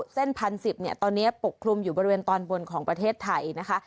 เส้นพันสิบเนี้ยตอนเนี้ยปกคลุมอยู่บริเวณตอนบนของประเทศไทยนะคะ